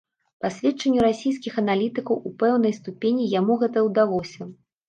Па сведчанню расійскіх аналітыкаў, у пэўнай ступені яму гэта ўдалося.